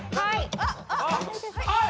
はい！